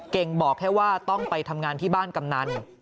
่งบอกแค่ว่าต้องไปทำงานที่บ้านกำนัน